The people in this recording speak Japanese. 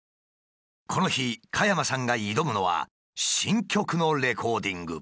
この日加山さんが挑むのは新曲のレコーディング。